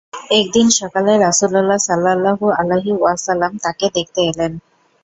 একদিন সকালে রাসূলুল্লাহ সাল্লাল্লাহু আলাইহি ওয়াসাল্লাম তাঁকে দেখতে এলেন।